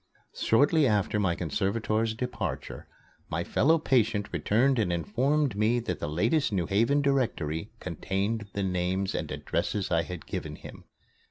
Shortly after my conservator's departure, my fellow patient returned and informed me that the latest New Haven Directory contained the names and addresses I had given him.